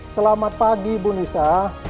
selamat pagi ibu nisa